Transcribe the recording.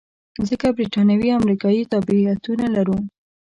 ځکه بریتانوي او امریکایي تابعیتونه لرو.